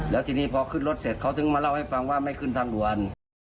แล้วทีนี้พอขึ้นรถเสร็จเขาถึงมาเล่าให้ฟังว่าไม่ขึ้นทางด่วน